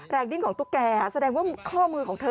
ดิ้นของตุ๊กแกแสดงว่าข้อมือของเธอ